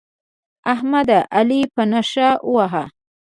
احمد؛ علي په نېښ وواهه.